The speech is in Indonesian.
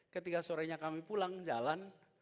ketika sore nya kami pulang jalan